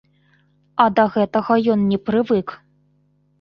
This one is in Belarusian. А да гэтага ён не прывык.